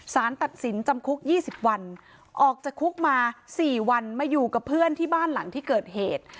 สารตัดสินจำคุก๒๐วันออกจากคุกมา๔วันมาอยู่กับเพื่อนที่บ้านหลังที่เกิดเหตุ